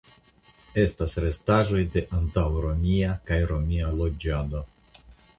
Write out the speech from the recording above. Estas restaĵoj de antaŭromia kaj romia loĝado.